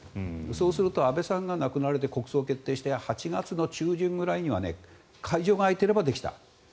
そうすると安倍さんが亡くなられて国葬が決定して８月中旬ぐらいには会場が空いていればできた。